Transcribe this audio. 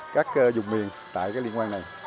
các dùng miền tại liên quan này